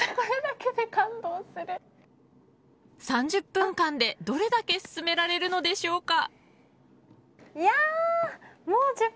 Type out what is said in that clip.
３０分間でどれだけ進められるのでしょうか。